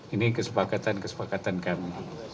ini kesepakatan kesepakatan kami